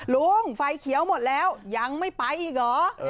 ลุงไฟเขียวหมดแล้วยังไม่ไปอีกเหรอ